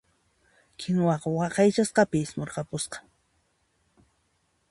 Kinuwaqa waqaychasqanpi ismurqapusqa.